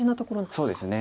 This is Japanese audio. そうですね。